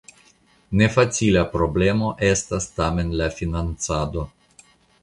Ne facila problemo estas tamen la financado.